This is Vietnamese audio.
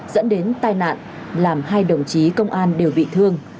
dẫn đến tai nạn làm hai đồng chí công an đều bị thương